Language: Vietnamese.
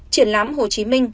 triển lãm hồ chí minh